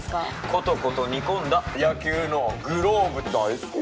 コトコト煮込んだ野球のグローブ大好き。